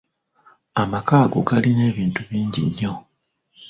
Amaka ago galina ebintu bingi nnyo.